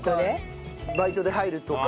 バイトで入るとか。